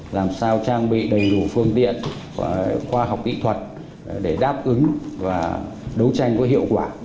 làm sao trang bị đầy đủ phương tiện khoa học kỹ thuật để đáp ứng và đấu tranh có hiệu quả